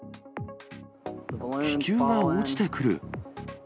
気球が落ちてくる。